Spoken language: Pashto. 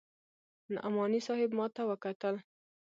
نعماني صاحب ما ته وکتل.